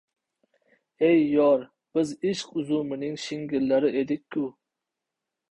• Ey, yor! Biz ishq uzumining shingillari edik-ku!